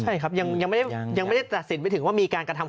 ใช่ครับยังไม่ได้ตัดสินไปถึงว่ามีการกระทำ